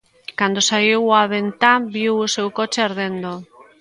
Cando saíu á ventá viu o seu coche ardendo.